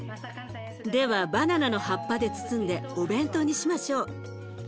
ではバナナの葉っぱで包んでお弁当にしましょう。